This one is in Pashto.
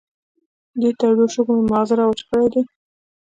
دې تودو شګو مې ماغزه را وچ کړې دي.